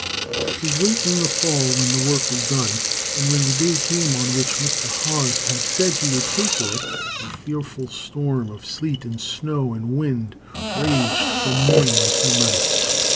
It was late in the fall when the work was done, and when the day came on which Mr. Haws had said he would pay for it, a fearful storm of sleet and snow and wind raged from morning until night.